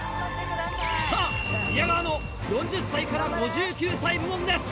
さあ、宮川の４０歳から５９歳部門です。